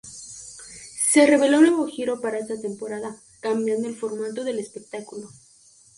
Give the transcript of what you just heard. Se reveló un nuevo giro para esta temporada, cambiando el formato del espectáculo.